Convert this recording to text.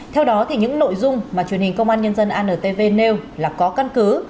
theo đó những nội dung mà truyền hình công an nhân dân antv nêu là có căn cứ